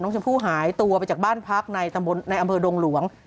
น้องชมพู่หายตัวไปจากบ้านพักในอำเภอดงหลวง